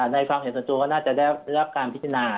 ในความเห็นส่วนตัวก็น่าจะได้รับการพิจารณา